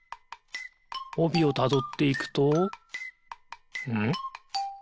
おびをたどっていくとんっ？